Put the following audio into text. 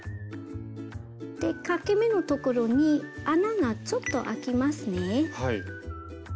でかけ目のところに穴がちょっとあきますね。